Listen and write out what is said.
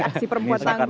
aksi permuatan gue ini